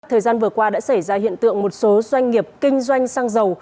thời gian vừa qua đã xảy ra hiện tượng một số doanh nghiệp kinh doanh sang giàu